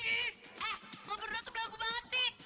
eh lo berdua tuh lagu banget sih